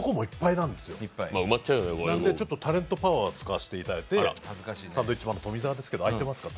なので、ちょっとタレントパワーを使わせてもらって、サンドウィッチマンの富澤ですけど、空いてますか？と。